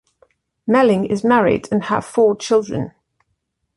Meling is married and have four children.